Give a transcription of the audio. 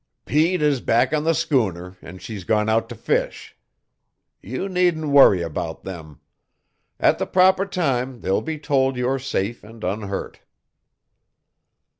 _" "Pete is back on the schooner and she's gone out to fish. You needn't worry about them. At the proper time they'll be told you are safe and unhurt."